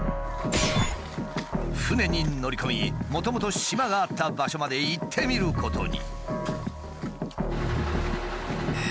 船に乗り込みもともと島があった場所まで行ってみることに。